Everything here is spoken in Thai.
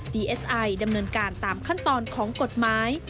ดีเอสไอดำเนินการตามขั้นตอนของกฎหมาย